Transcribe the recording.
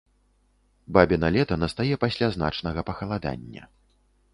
Бабіна лета настае пасля значнага пахаладання.